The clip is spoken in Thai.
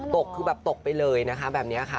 ตกคือแบบตกไปเลยนะคะแบบนี้ค่ะ